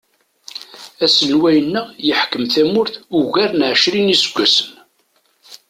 Aselway-nneɣ yeḥkem tamurt ugar n ɛecrin iseggasen.